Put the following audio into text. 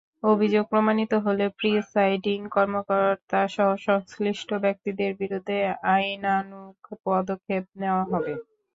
অভিযোগ প্রমাণিত হলে প্রিসাইডিং কর্মকর্তাসহ সংশ্লিষ্ট ব্যক্তিদের বিরুদ্ধে আইনানুগ পদক্ষেপ নেওয়া হবে।